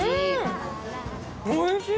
おいしい！